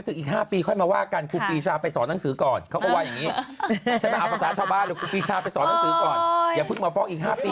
แต่ครูปีชาก็ถูกหวดเป็นระยะมาตลอดเลยนะหลังจากนี้